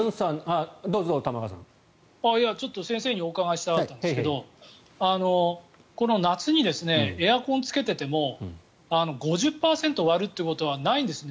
先生にお伺いしたかったんですけどこの夏にエアコンをつけてても５０％割るということはないんですね